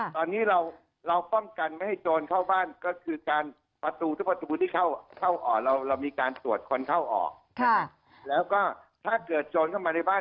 ตอนนี้เราป้องกันไม่ให้โจรเข้าบ้านก็คือการประตูทุกประตูที่เข้าออกเรามีการตรวจคนเข้าออกแล้วก็ถ้าเกิดโจรเข้ามาในบ้าน